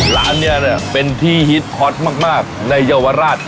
ร้านนี้เป็นที่ฮิตฮอตมากในเยาวราช